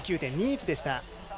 ２９．２１でした。